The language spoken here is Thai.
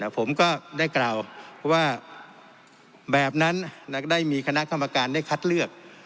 ผมก็ได้กล่าวว่าแบบนั้นได้มีคณะกรรมการได้คัดเลือก